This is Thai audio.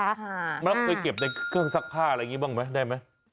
มันต้องไปเก็บในเครื่องซักผ้าอะไรแบบนี้บ้างไหมได้ไหม